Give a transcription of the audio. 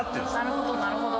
なるほどなるほど。